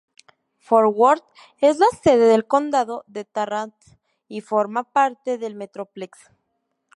Fort Worth es la sede del Condado de Tarrant y forma parte del Metroplex.